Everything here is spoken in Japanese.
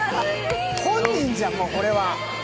本人じゃん、もうこれは。